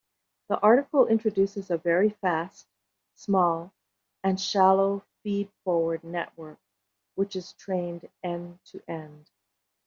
The article introduces a very fast, small, and shallow feed-forward network which is trained end-to-end.